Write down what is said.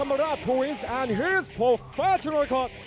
ไม่ใช่สัตลาท์